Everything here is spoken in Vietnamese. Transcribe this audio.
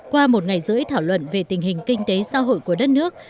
qua một ngày rưỡi thảo luận về tình hình kinh tế xã hội của đất nước